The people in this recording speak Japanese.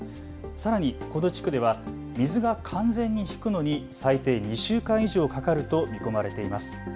さらにこの地区では水が完全に引くのに最低２週間以上かかると見込まれています。